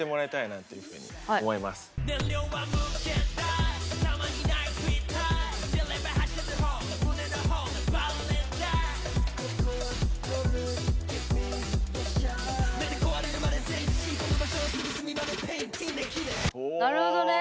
なるほどね。